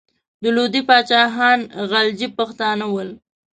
د لودي پاچاهان غلجي پښتانه ول.